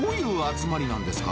どういう集まりなんですか？